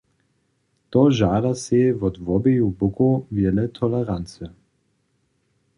To žada sej wot wobeju bokow wjele tolerancy.